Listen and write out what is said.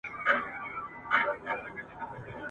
څوک منصور نسته چي یې په دار کي ..